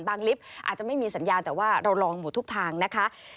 ลิฟต์อาจจะไม่มีสัญญาณแต่ว่าเราลองหมดทุกทางนะคะ